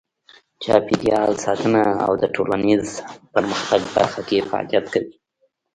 چاپیریال ساتنه او د ټولنیز پرمختګ برخه کې فعالیت کوي.